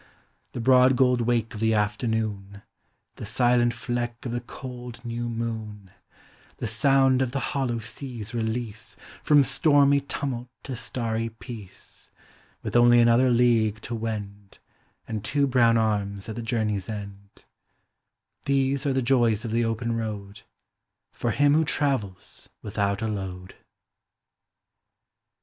The broad gold wake of the afternoon; The silent fieck of the cold new moon : The sound of the hollow sea's release From stormy tumult to starry peace; With only another league to wend, And two brown arms at the journey's end: These are the joys of the open road — For him who travels without a load.